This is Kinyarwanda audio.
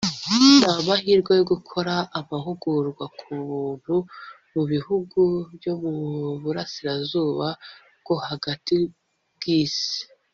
n’amahirwe yo gukora amahugurwa ku buntu mu bihugu byo mu burasirazuba bwo hagati bw’Isi